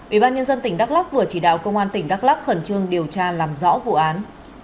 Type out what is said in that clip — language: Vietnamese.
ubnd tỉnh đắk lắc vừa chỉ đạo công an tỉnh đắk lắc khẩn trương điều tra làm rõ vụ án